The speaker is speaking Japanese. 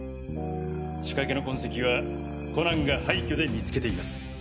仕掛けの痕跡はコナンが廃墟で見つけています。